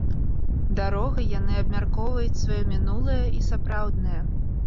Дарогай яны абмяркоўваюць сваё мінулае і сапраўднае.